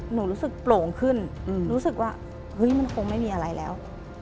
รู้สึกโปร่งขึ้นรู้สึกว่าเฮ้ยมันคงไม่มีอะไรแล้ว